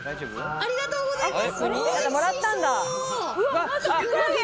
ありがとうございます。